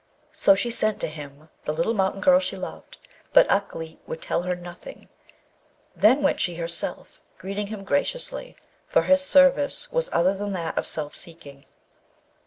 So she sent to him the little mountain girl she loved, but Ukleet would tell her nothing; then went she herself, greeting him graciously, for his service was other than that of self seeking.